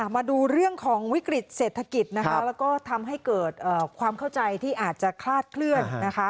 มาดูเรื่องของวิกฤตเศรษฐกิจนะคะแล้วก็ทำให้เกิดความเข้าใจที่อาจจะคลาดเคลื่อนนะคะ